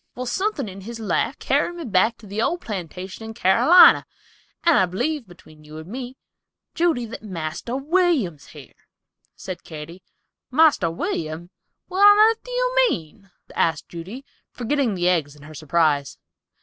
"Well, suthin in his laugh kerried me back to the old plantation in Carlina, and I b'lieve, between you and me, Judy, that Marster William's here," said Katy. "Marster William, Marster William; what on airth do you mean?" asked Judy, forgetting the eggs in her surprise.